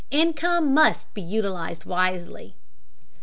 INCOME MUST BE UTILIZED WISELY.